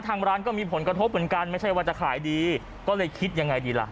ทางร้านก็มีผลกระทบเหมือนกันไม่ใช่ว่าจะขายดีก็เลยคิดยังไงดีล่ะ